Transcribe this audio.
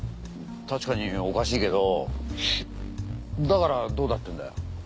確かにおかしいけどだからどうだって言うんだよ？